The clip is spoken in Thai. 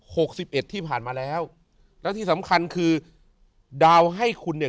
สิบเอ็ดที่ผ่านมาแล้วแล้วที่สำคัญคือดาวให้คุณเนี่ย